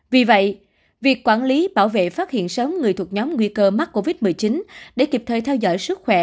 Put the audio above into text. vì vậy việc quản lý bảo vệ phát hiện sớm người thuộc nhóm nguy cơ mắc covid một mươi chín để kịp thời theo dõi sức khỏe